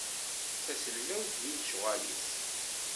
D tasellawt di lecɣal-is.